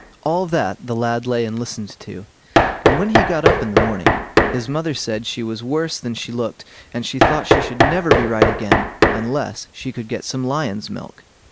All that the lad lay and listened to; and when he got up in the morning his mother said she was worse than she looked, and she thought she should never be right again unless she could get some lion's milk.